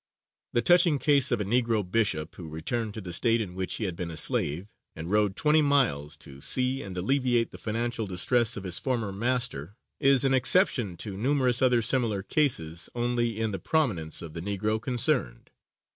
The touching case of a Negro Bishop who returned to the State in which he had been a slave, and rode twenty miles to see and alleviate the financial distress of his former master is an exception to numerous other similar cases only in the prominence of the Negro concerned.